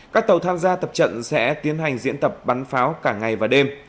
các tàu tham gia tập trận sẽ tiến hành diễn tập bắn pháo cả ngày và đêm